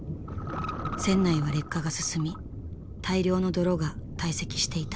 船内は劣化が進み大量の泥が堆積していた。